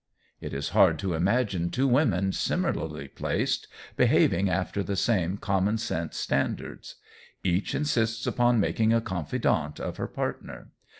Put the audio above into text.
It is hard to imagine two women, similarly placed, behaving after the same common sense standards. Each insists upon making a confidante of her partner.